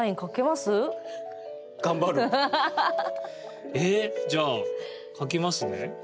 はい。えじゃあ書きますね。